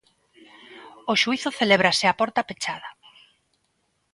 O xuízo celébrase a porta pechada.